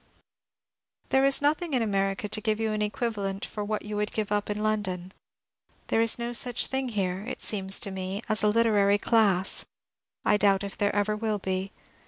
There is nothing in America to give you an equivalent for what you would give up in London. There is no such thing here, it seems to me, as a literary class : I doubt if there ever will be.